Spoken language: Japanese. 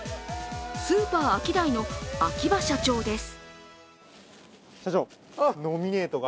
スーパーアキダイの秋葉社長です。